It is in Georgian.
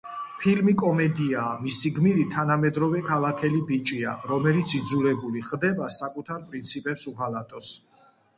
ფილმი კომედიაა, მისი გმირი თანამედროვე ქალაქელი ბიჭია, რომელიც იძულებული ხდება საკუთარ პრინციპებს უღალატოს.